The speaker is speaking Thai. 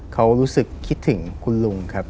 เขารู้สึกคิดถึงคุณลุงครับ